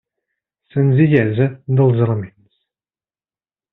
Senzillesa dels elements.